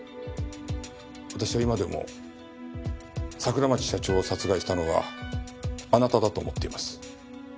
私は今でも桜町社長を殺害したのはあなただと思っています。